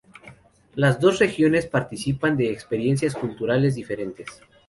Las dos regiones participan de experiencias culturales diferentes.